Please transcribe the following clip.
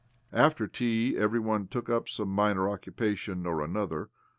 After tea every one took up some minor occupation or another.